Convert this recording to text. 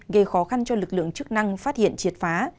gây khó khăn cho lực lượng chức năng phát hiện triệt phá